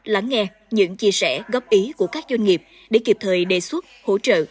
lắng nghe những chia sẻ góp ý của các doanh nghiệp để kịp thời đề xuất hỗ trợ